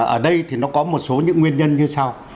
ở đây thì nó có một số những nguyên nhân như sau